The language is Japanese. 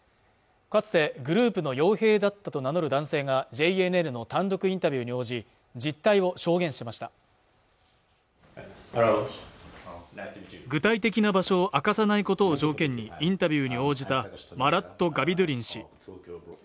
かつてグループの傭兵だったと名乗る男性がＪＮＮの単独インタビューに応じ実態を証言しました具体的な場所を明かさないことを条件にインタビューに応じたマラット・ガビドゥリン氏